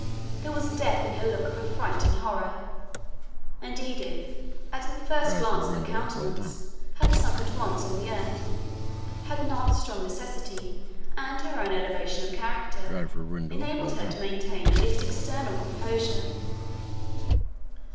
There was death in her look of affright and horror, and Edith, at the first glance of her countenance, had sunk at once on the earth, had not strong necessity and her own elevation of character enabled her to maintain at least external composure.